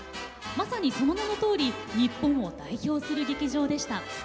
まさに、その名のとおり日本を代表する劇場でした。